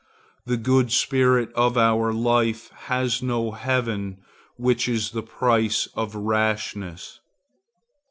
The good spirit of our life has no heaven which is the price of rashness.